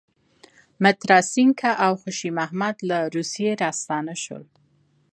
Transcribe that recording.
متراسینکه او خوشی محمد له روسیې راستانه شول.